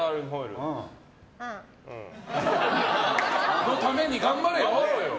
そのために頑張れよ！